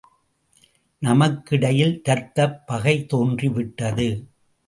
நமக்கிடையிலே இரத்தப் பகை தோன்றிவிட்டது.